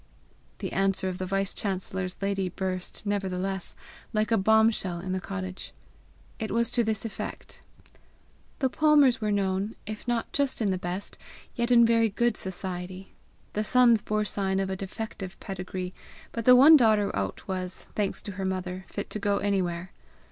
The answer of the vice chancellor's lady burst, nevertheless, like a bombshell in the cottage. It was to this effect: The Palmers were known, if not just in the best, yet in very good society; the sons bore sign of a defective pedigree, but the one daughter out was, thanks to her mother, fit to go anywhere.